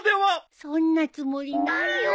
そんなつもりないよ。